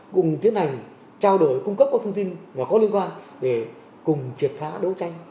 cùng tiến hành trao đổi cung cấp các thông tin và có liên quan để cùng triệt phá đấu tranh